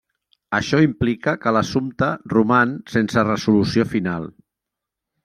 Això implica que l'assumpte roman sense resolució final.